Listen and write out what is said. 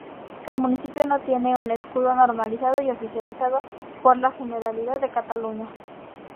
El municipio no tiene un escudo normalizado y oficializado por la Generalidad de Cataluña.